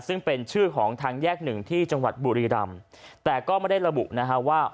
ซึ่งเป็นชื่อของทางแยกหนึ่งที่จังหวัดบุรีรำแต่ก็ไม่ได้ระบุนะฮะว่า